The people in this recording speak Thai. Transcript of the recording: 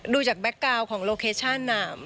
ดูจากแบ็คกราวของโลเคชั่นน่ะ